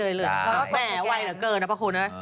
แต่วัยเหลือเกินนะพระคุณ